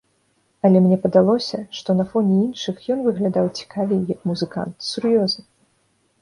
Але мне падалося, што на фоне іншых ён выглядаў цікавей як музыкант, сур'ёзна!